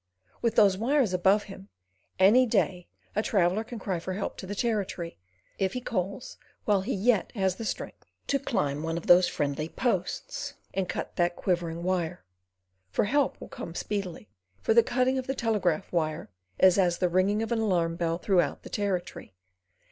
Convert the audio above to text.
With those wires above him, any day a traveller can cry for help to the Territory, if he call while he yet has strength to climb one of those friendly posts and cut that quivering wire—for help that will come speedily, for the cutting of the telegraph wire is as the ringing of an alarm bell throughout the Territory.